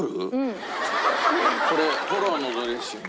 フォロのドレッシング。